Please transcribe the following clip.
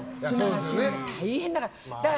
大変だから。